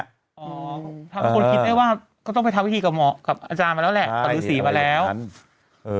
ทำให้คนคิดได้ว่าก็ต้องไปทำพิธีกับหมอกับอาจารย์มาแล้วแหละกับฤษีมาแล้วอืมเออ